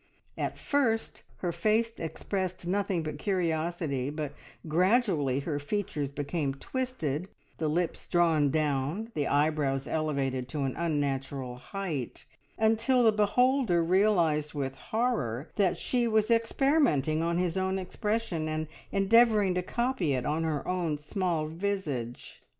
At first her face expressed nothing but curiosity, but gradually her features became twisted, the lips down drawn, the eyebrows elevated to an unnatural height, until the beholder realised with horror that she was experimenting on his own expression, and endeavouring to copy it on her own small visage.